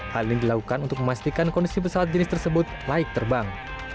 hal ini dilakukan untuk memastikan kondisi pesawat jenis tersebut laik terbang